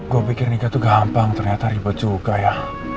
gue pikir nikah itu gampang ternyata ribet juga ya